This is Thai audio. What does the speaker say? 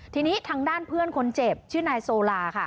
ทีนี้ทางด้านเพื่อนคนเจ็บชื่อนายโซลาค่ะ